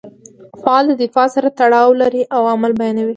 فعل د فاعل سره تړاو لري او عمل بیانوي.